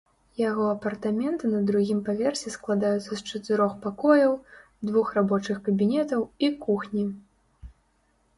Яго апартаменты на другім паверсе складаюцца з чатырох пакояў, двух рабочых кабінетаў і кухні.